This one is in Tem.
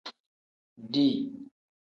Dii.